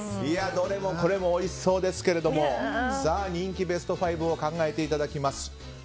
どれもこれもおいしそうですけれども人気ベスト５を考えていただきます。